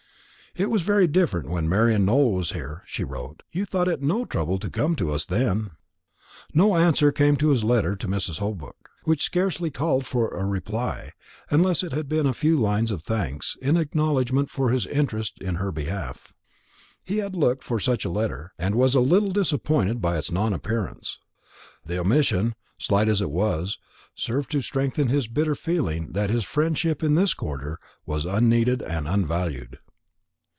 "It was very different when Marian Nowell was here," she wrote; "you thought it no trouble to come to us then." No answer came to his letter to Mrs. Holbrook which scarcely called for a reply, unless it had been a few lines of thanks, in acknowledgment of his interest in her behalf. He had looked for such a letter, and was a little disappointed by its non appearance. The omission, slight as it was, served to strengthen his bitter feeling that his friendship in this quarter was unneeded and unvalued.